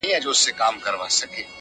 اوس به څوك د پاني پت په توره وياړي؛